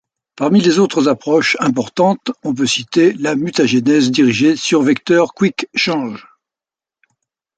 Parmi les autres approches importantes on peut citer la mutagénèse dirigée sur vecteur QuickChange.